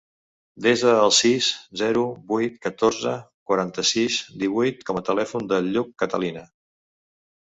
Desa el sis, zero, vuit, catorze, quaranta-sis, divuit com a telèfon del Lluc Catalina.